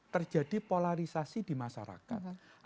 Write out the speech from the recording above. terjadi polarisasi di masyarakat